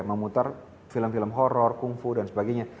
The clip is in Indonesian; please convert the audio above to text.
memutar film film horror kung fu dan sebagainya